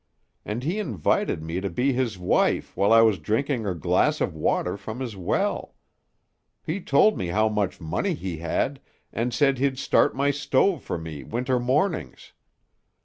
And he invited me to be his wife while I was drinking a glass of water from his well. He told me how much money he had and said he'd start my stove for me winter mornings.